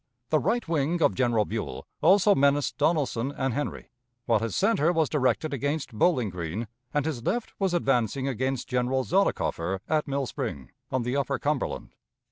The right wing of General Buell also menaced Donelson and Henry, while his center was directed against Bowling Green, and his left was advancing against General Zollicoffer at Mill Spring, on the upper Cumberland.